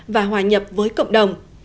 và hòa nhập với cộng đồng